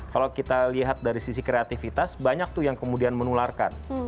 kalau kita lihat dari sisi kreativitas banyak tuh yang kemudian menularkan